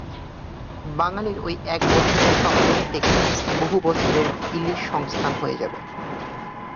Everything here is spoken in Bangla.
বাঙালির ওই এক বছরের সংযম থেকে বহু বছরের ইলিশ সংস্থান হয়ে যাবে।